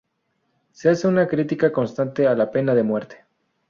Se hace una crítica constante a la pena de muerte.